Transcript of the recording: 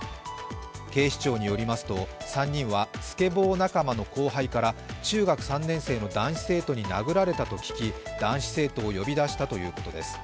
警視庁によりますと、３人はスケボー仲間の後輩から中学３年生の男子生徒に殴られたと聞き男子生徒を呼び出したということです